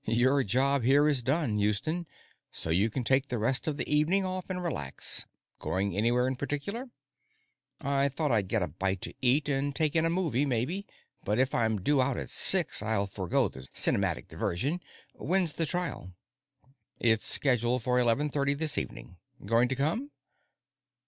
Your job here is done, Houston, so you can take the rest of the evening off and relax. Going anywhere in particular?" "I thought I'd get a bite to eat and take in a movie, maybe, but if I'm due out at six, I'll forego the cinematic diversion. When's the trial?" "It's scheduled for eleven thirty this evening. Going to come?"